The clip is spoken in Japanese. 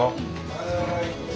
はい。